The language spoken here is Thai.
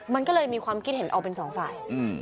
มันก็เลยมีความคิดเห็นออกเป็นสองฝ่าย